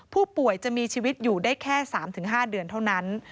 ผู้ป่วยจะมีชีวิตอยู่ได้แค่๓๕เดือนเท่านั้น